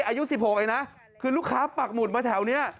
อายุ๑๖เองนะคือลูกค้าปักหมุดมาแถวนี้